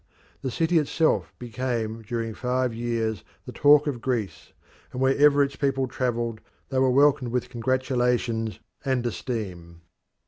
The city itself became during five years the talk of Greece, and wherever its people travelled they were welcomed with congratulations and esteem.